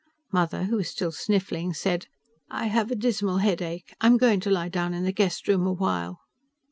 Mother, who was still sniffling, said, "I have a dismal headache. I'm going to lie down in the guest room a while."